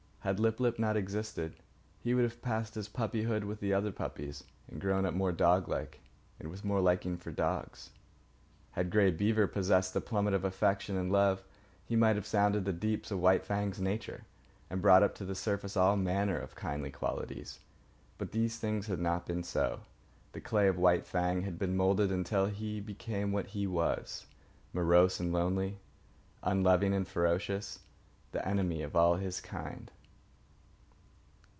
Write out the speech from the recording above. Had Lip lip not existed, he would have passed his puppyhood with the other puppies and grown up more doglike and with more liking for dogs. Had Grey Beaver possessed the plummet of affection and love, he might have sounded the deeps of White Fang's nature and brought up to the surface all manner of kindly qualities. But these things had not been so. The clay of White Fang had been moulded until he became what he was, morose and lonely, unloving and ferocious, the enemy of all his kind.